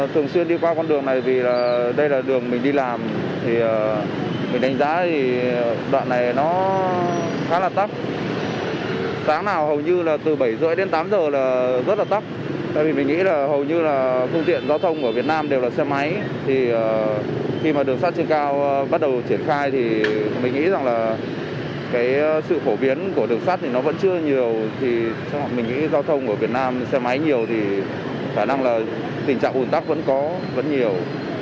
thì mình nghĩ giao thông ở việt nam xe máy nhiều thì khả năng là tình trạng hùn tắc vẫn có vẫn nhiều